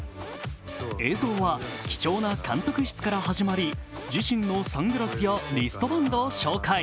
映像は貴重な監督室から始まり自身のサングラスやリストバンドを紹介。